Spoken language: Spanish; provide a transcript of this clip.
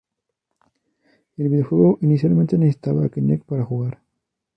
El videojuego inicialmente necesitaba Kinect para jugar.